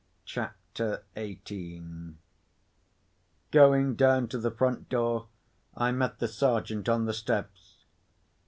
CHAPTER XVIII Going down to the front door, I met the Sergeant on the steps.